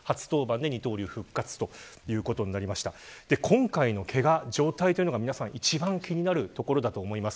今回のけが、状態というのが皆さん一番気になるところだと思います。